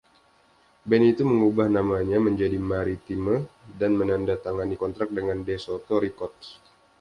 Band itu mengubah namanya menjadi Maritime dan menandatangani kontrak dengan DeSoto Records.